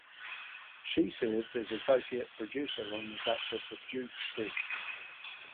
She served as Associate Producer on "The Duchess of Duke Street".